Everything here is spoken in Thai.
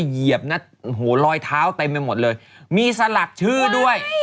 เหยียบนะโอ้โหรอยเท้าเต็มไปหมดเลยมีสลักชื่อด้วย